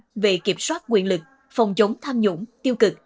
đây là nội dung cơ bản về kiểm soát quyền lực phòng chống tham nhũng tiêu cực